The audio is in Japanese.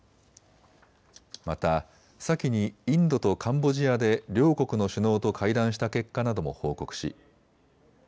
また、先にインドとカンボジアで両国の首脳と会談した結果なども報告しＧ